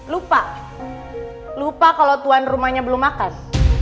lupa lupa kalau tuan rumahnya belum makan